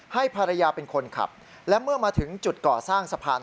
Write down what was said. ให้ภรรยาเป็นคนขับและเมื่อมาถึงจุดก่อสร้างสะพาน